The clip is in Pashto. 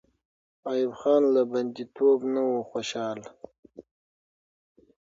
ایوب خان له بندي توبه نه وو خوشحاله.